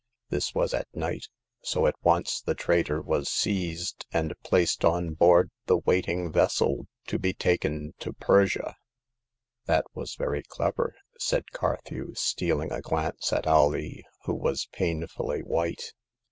This was at night, so at once the traitor was seized, and placed on board the waiting vessel to be taken to Persia." The Tenth Customer. 271 " That was very clever," said Carthew, stealing a glance at Alee, who was painfully white.